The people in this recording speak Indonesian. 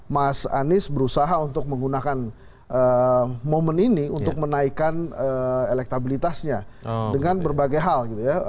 mas anies berusaha untuk menggunakan momen ini untuk menaikkan elektabilitasnya dengan berbagai hal gitu ya